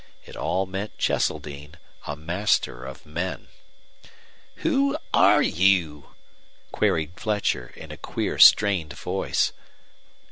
It all meant Cheseldine, a master of men! "WHO AIR YOU?" queried Fletcher, in a queer, strained voice.